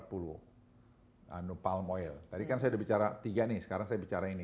tadi kan saya udah bicara tiga nih sekarang saya bicara ini